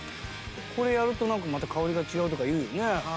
これやるとなんかまた香りが違うとか言うよね。